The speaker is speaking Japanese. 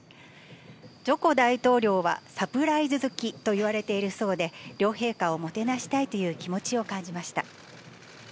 ジョコ大統領はサプライズ好きと言われているそうで、両陛下をもてなしたいという気持ちを感じました。